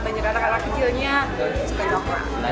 banyak anak anak kecilnya suka coklat